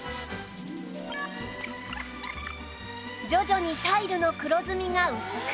徐々にタイルの黒ずみが薄くなり